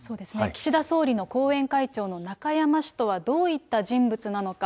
岸田総理の後援会長の中山氏とはどういった人物なのか。